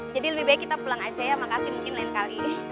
lebih baik kita pulang aja ya makasih mungkin lain kali